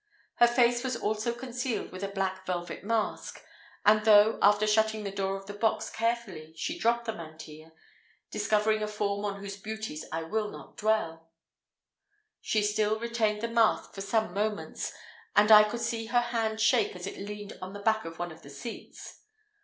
Her face was also concealed with a black velvet mask; and though, after shutting the door of the box carefully, she dropped the mantilla, discovering a form on whose beauties I will not dwell, she still retained the mask for some moments, and I could see her hand shake as it leaned on the back of one of the seats.